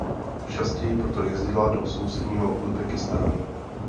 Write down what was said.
Častěji proto jezdila do sousedního Uzbekistánu.